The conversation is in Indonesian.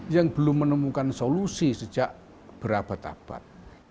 yang belum menemukan solusi sejak berabad abad